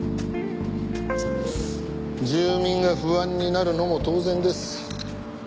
住民が不安になるのも当然です。